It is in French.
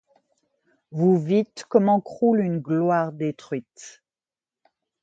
Vous vîtes comment croule une gloire détruite